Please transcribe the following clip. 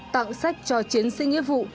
tặng sách cho chiến sinh nhiệm vụ